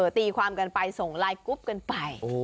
ตีความกันไปส่งไลน์กรุ๊ปกันไป